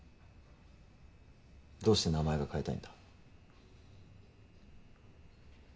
どうして名前を変えたいんだ？